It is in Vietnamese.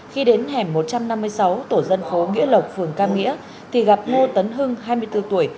khi đến hẻm một trăm năm mươi sáu tổ dân phố nghĩa lộc phường cam nghĩa thì gặp ngô tấn hưng hai mươi bốn tuổi